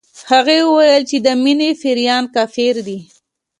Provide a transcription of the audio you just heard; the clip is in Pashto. هغې ويل چې د مينې پيريان کافر دي